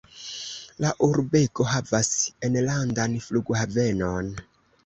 La urbego havas enlandan flughavenon.